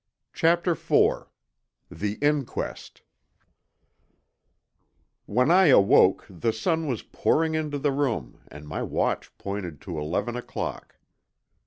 CHAPTER IV THE INQUEST When I awoke the sun was pouring into the room and my watch pointed to eleven o'clock.